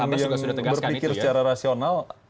bagi semua partai yang berpikir secara rasional